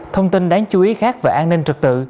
thông tin đáng chú ý khác về an ninh trật tự